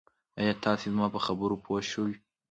آیا تاسي زما په خبرو پوه شوي